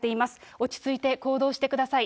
落ち着いて行動してください。